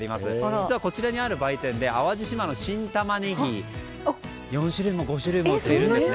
実は、こちらにある売店で淡路島の新タマネギ４種類も５種類も売っているんです。